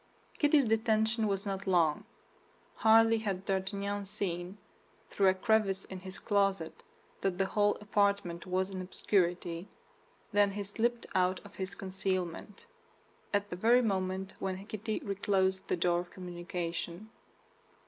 Kitty's detention was not long. Hardly had D'Artagnan seen, through a crevice in his closet, that the whole apartment was in obscurity, than he slipped out of his concealment, at the very moment when Kitty reclosed the door of communication.